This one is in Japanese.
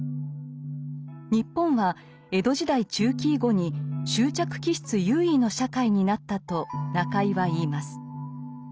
日本は江戸時代中期以後に執着気質優位の社会になったと中井は言います。